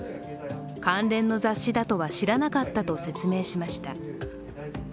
関連の雑誌だとは知らなかったと説明しました。